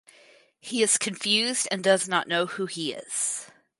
He is confused and does not know who he is.